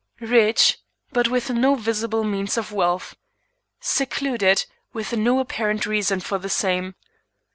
"Rich, but with no visible means of wealth. "Secluded, with no apparent reason for the same.